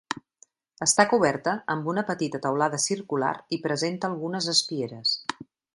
Està coberta amb una petita teulada circular i presenta algunes espieres.